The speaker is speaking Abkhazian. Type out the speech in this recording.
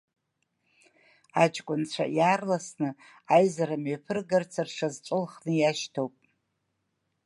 Аҷкәынцәа иаарласны аизара мҩаԥыргарц рҽазҵәылхны иашьҭоуп.